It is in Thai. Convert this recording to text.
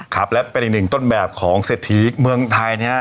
ครับและเป็นอีกหนึ่งต้นแบบของเศรษฐีเมืองไทยนะฮะ